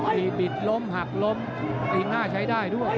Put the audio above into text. มีบิดล้มหักล้มตีนหน้าใช้ได้ด้วย